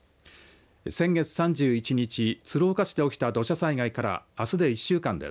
先月３１日鶴岡市で起きた土砂災害からあすで１週間です。